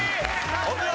お見事。